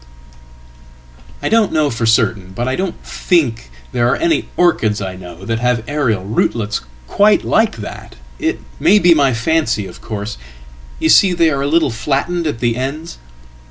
""I don't know for certain, but I don't think there are any orchidsI know that have aerial rootlets quite like that. It may be my fancy, ofcourse. You see they are a little flattened at the ends.""